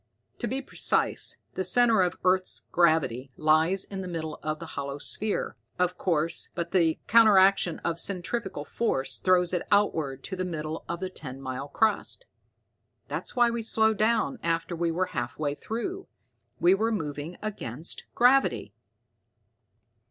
To be precise, the center of the earth's gravity lies in the middle of the hollow sphere, of course, but the counteraction of centrifugal force throws it outward to the middle of the ten mile crust. That's why we slowed down after we were half way through. We were moving against gravity."